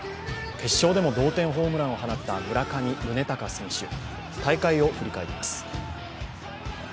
決勝でも同点ホームランを放った村上宗隆選手、大会を振り返ります。